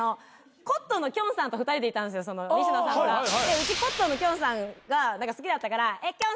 うちコットンのきょんさんが好きだったからきょん